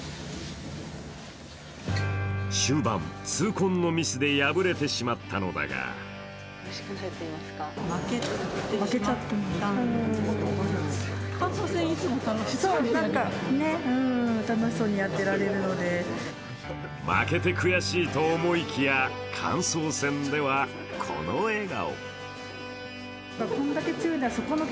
終盤、痛恨のミスで敗れてしまったのだが負けて悔しいと思いきや感想戦ではこの笑顔。